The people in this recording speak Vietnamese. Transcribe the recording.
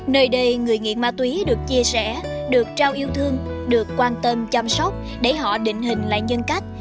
nơi đây người nghiện ma túy được chia sẻ được trao yêu thương được quan tâm chăm sóc để họ định hình lại nhân cách